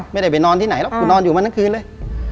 ไม่ได้ไปนอนที่ไหนหรอกกูนอนอยู่มันทั้งคืนเลย